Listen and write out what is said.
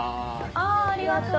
ありがとう。